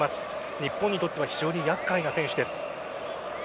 日本にとっては非常に厄介な選手です。